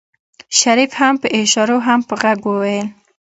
شريف هم په اشارو هم په غږ وويل.